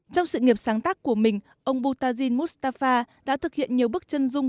trong sự nghiệp sáng tác của mình ông boutazine moustapha đã thực hiện nhiều bức chân dung